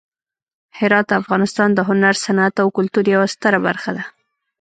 هرات د افغانستان د هنر، صنعت او کلتور یوه ستره برخه ده.